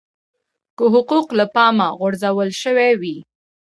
که حقوق له پامه غورځول شوي وي.